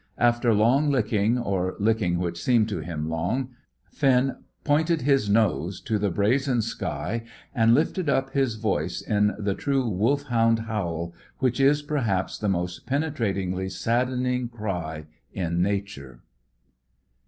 After long licking, or licking which seemed to him long, Finn pointed his nose to the brazen sky, and lifted up his voice in the true Wolfhound howl, which is perhaps the most penetratingly saddening cry in Nature.